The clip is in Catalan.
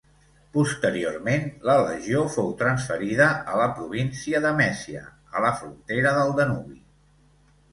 Posteriorment la legió fou transferida a la província de Mèsia, a la frontera del Danubi.